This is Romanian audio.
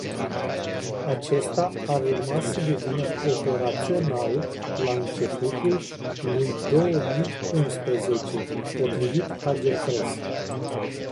Acesta ar urma să devină operațional la începutul lui două mii unsprezece, potrivit Agerpres.